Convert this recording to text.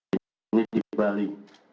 ini di bali